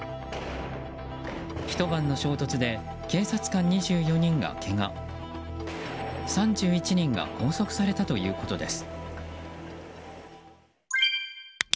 一晩の衝突で警察官２４人がけが３１人が拘束されたということです。